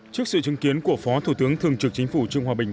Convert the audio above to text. trước sự chứng kiến của phó thủ tướng thường trực chính phủ trương hòa bình